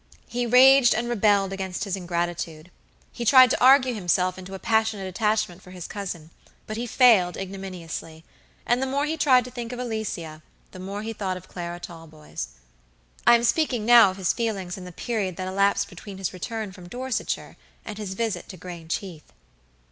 He raged and rebelled against his ingratitude. He tried to argue himself into a passionate attachment for his cousin, but he failed ignominiously, and the more he tried to think of Alicia the more he thought of Clara Talboys. I am speaking now of his feelings in the period that elapsed between his return from Dorsetshire and his visit to Grange Heath.